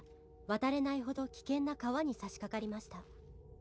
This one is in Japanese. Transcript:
「渡れないほど危険な川にさしかかりました」